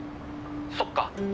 そっか。